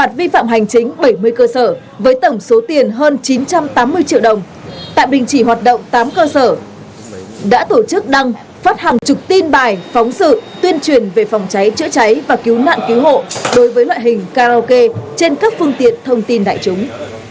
khi phạm hành chính bảy mươi cơ sở với tổng số tiền hơn chín trăm tám mươi triệu đồng tạm bình chỉ hoạt động tám cơ sở đã tổ chức đăng phát hàm chục tin bài phóng sự tuyên truyền về phòng cháy chữa cháy và cứu nạn cứu hộ đối với loại hình karaoke trên các phương tiện thông tin đại chúng